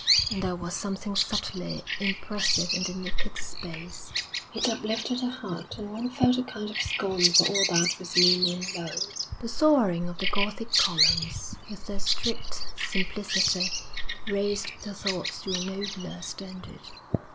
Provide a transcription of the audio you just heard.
And there was something subtly impressive in the naked space; it uplifted the heart, and one felt a kind of scorn for all that was mean and low. The soaring of the Gothic columns, with their straight simplicity, raised the thoughts to a nobler standard.